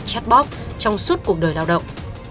chắt bóp trong suốt cuộc đời lao động